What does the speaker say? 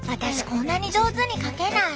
こんなに上手に描けない。